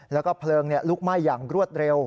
แล้วก็เพลิงลุกไหม้อย่างรวดเร็ว